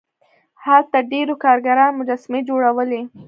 هلته ډیرو کارګرانو مجسمې جوړولې.